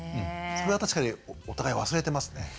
それは確かにお互い忘れてますね。